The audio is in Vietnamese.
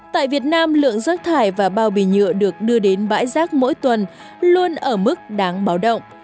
tại việt nam lượng rác thải và bao bì nhựa được đưa đến bãi rác mỗi tuần luôn ở mức đáng báo động